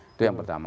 itu yang pertama